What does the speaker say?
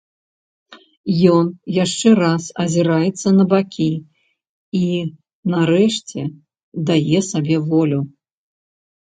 Ён яшчэ раз азіраецца на бакі і, нарэшце, дае сабе волю.